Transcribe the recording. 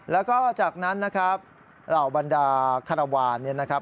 แล้วก็จากนั้นเหล่าวันดาขลาวด์คลาวัล